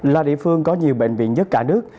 là địa phương có nhiều bệnh viện nhất cả nước